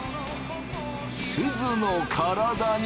すずの体に。